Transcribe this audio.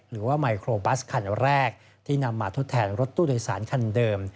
ไมโครบัสคันแรกที่นำมาทดแทนรถตู้โดยสารคันเดิม